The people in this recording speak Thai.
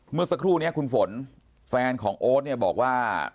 เมื่อสักครู่นี้คุณฝนแฟนของโอ๊ตเนี่ยบอกว่า